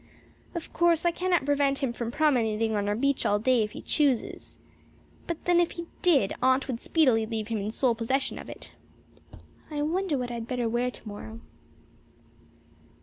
Of course, I cannot prevent him from promenading on our beach all day if he chooses. But then if he did, Aunt would speedily leave him in sole possession of it. I wonder what I had better wear tomorrow.